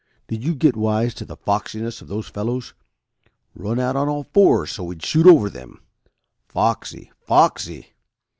Did you get wise to the foxiness of those fellows? Run out on all fours so we'd shoot over them. Foxy, foxy!